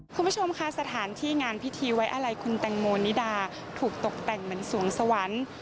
คุณผู้ชมค่ะสถานที่งานพิธีไว้อะไรคุณแตงโมนิดาถูกตกแต่งเหมือนสวงสวรรค์